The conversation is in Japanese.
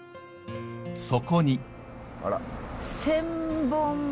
そこに。